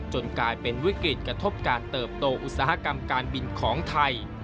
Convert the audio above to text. กลายเป็นวิกฤตกระทบการเติบโตอุตสาหกรรมการบินของไทย